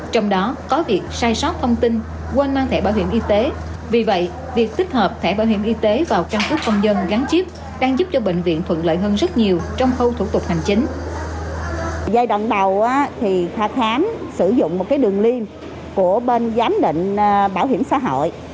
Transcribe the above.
trong đó có việc sai sót thông tin quên mang thẻ bảo hiểm y tế vì vậy việc tích hợp thẻ bảo hiểm y tế vào căn cứ công dân gắn chip đang giúp cho bệnh viện thuận lợi hơn rất nhiều trong khâu thủ tục hành chính